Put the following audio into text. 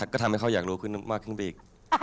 ก็ทำให้เขาอยากรู้มากขึ้นไปอีก